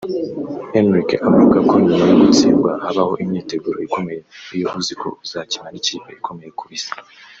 Enrique avuga ko nyuma yo gutsindwa habaho umyiteguro ikomeye iyo uzi ko uzakina n’ikipe ikomeye ku Isi